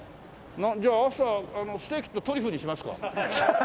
じゃあ朝ステーキとトリュフにしますか。